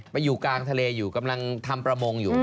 ไปอยู่กลางทะเลอยู่กำลังทำประมงอยู่